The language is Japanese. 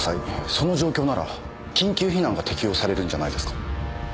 その状況なら緊急避難が適用されるんじゃないですか？